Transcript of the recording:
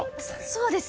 そうですよ。